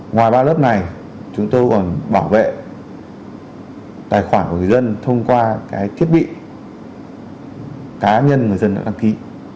ngoài ba lớp này chúng tôi còn bảo vệ tài khoản của người dân thông qua cái thiết bị cá nhân người dân đã đăng ký